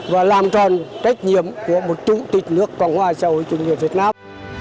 và làm tròn trách nhiệm của một chủ tịch nước cộng hòa xã hội chủ nghĩa việt nam